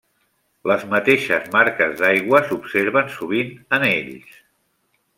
Les mateixes marques d'aigua s'observen sovint en ells.